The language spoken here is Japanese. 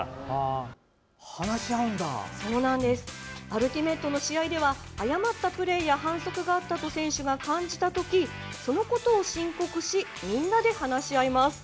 アルティメットの試合では誤ったプレーや反則があったと選手が感じた時そのことを申告しみんなで話し合います。